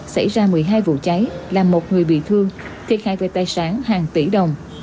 xảy ra một mươi hai vụ cháy làm một người bị thương thiệt hại về tài sản hàng tỷ đồng